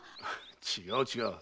違う違う。